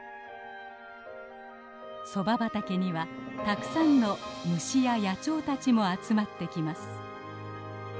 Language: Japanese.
ソバ畑にはたくさんの虫や野鳥たちも集まってきます。